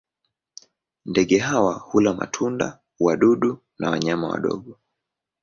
Ndege hawa hula matunda, wadudu na wanyama wadogo.